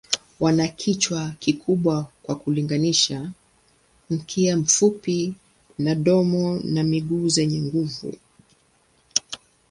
Wana kichwa kikubwa kwa kulinganisha, mkia mfupi na domo na miguu zenye nguvu.